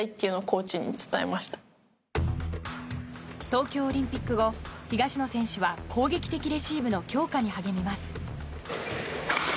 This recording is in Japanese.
東京オリンピック後東野選手は攻撃的レシーブの強化に励みます。